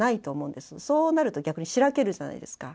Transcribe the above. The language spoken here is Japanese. そうなると逆にしらけるじゃないですか。